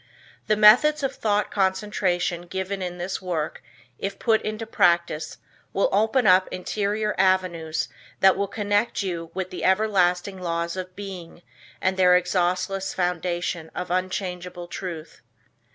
The methods of thought concentration given in this work if put into practice will open up interior avenues that will connect you with the everlasting laws of Being and their exhaustless foundation of unchangeable truth.